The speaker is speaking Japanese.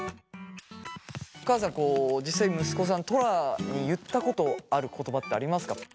お母さん実際息子さんトラに言ったことある言葉ってありますか？